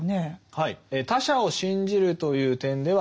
はい。